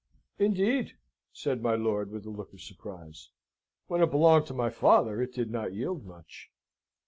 "Indeed!" said my lord, with a look of surprise. "When it belonged to my father it did not yield much."